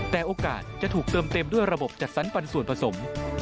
แต่โอกาสจะถูกเติมเต็มด้วยระบบจัดสรรปันส่วนผสม